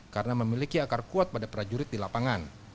karena memiliki akar kuat pada prajurit di lapangan